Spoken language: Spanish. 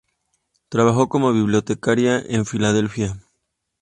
Trabajó como bibliotecaria en Filadelfia.